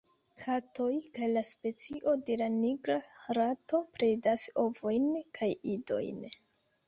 Katoj kaj la specio de la Nigra rato predas ovojn kaj idojn.